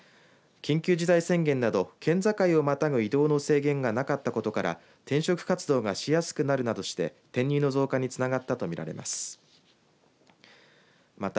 緊急事態宣言など県境をまたぐ移動の制限がなかったことから転職活動がしやすくなるどして転入の増加につながったと見られます。